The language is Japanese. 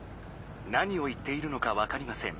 「何を言っているのかわかりません。